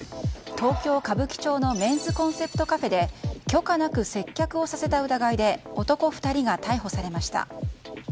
東京・歌舞伎町のメンズコンセプトカフェで許可なく接客をさせた疑いで男２人が逮捕されました。